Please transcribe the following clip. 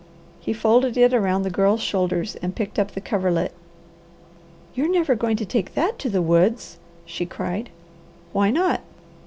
He folded it around the Girl's shoulders and picked up the coverlet. "You're never going to take that to the woods!" she cried. "Why not?"